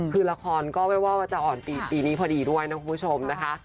คือละครก็ไม่ว่าจะอ่อนปีนี้พอดีด้วยนะคุณผู้ชมนะคะ